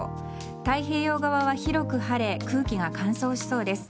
太平洋側は広く晴れ空気が乾燥しそうです。